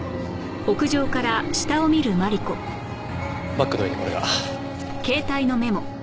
バッグの上にこれが。